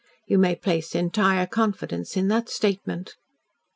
You may place entire confidence in that statement."